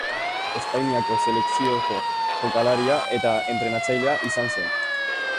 Espainiako selekzioko jokalaria eta entrenatzailea izan zen.